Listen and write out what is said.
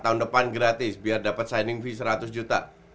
tahun depan gratis biar dapat signing fee seratus juta